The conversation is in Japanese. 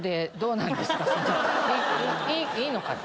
いいのかな？